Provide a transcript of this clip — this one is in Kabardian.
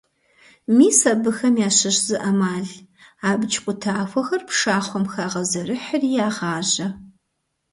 Мис абыхэм ящыщ зы Ӏэмал: Абдж къутахуэхэр пшахъуэм хагъэзэрыхьри ягъажьэ.